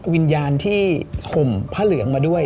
วิญญาณที่ทำภัณฑ์ว่าพระเหลืองมาด้วย